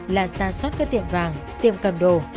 là xa xót các tiệm vàng tiệm cầm đồ